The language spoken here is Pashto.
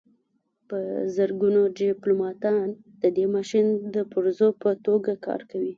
په زرګونو ډیپلوماتان د دې ماشین د پرزو په توګه کار کوي